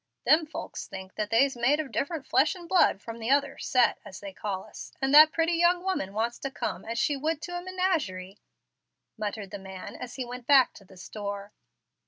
"Them folks thinks that they's made of different flesh and blood from the other 'set,' as they call us, and that pretty young woman wants to come as she would go to a menagerie," muttered the man as he went back to the store.